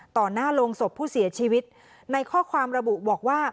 หน้าโรงศพผู้เสียชีวิตในข้อความระบุบอกว่า